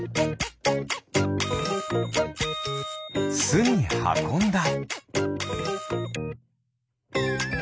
すにはこんだ。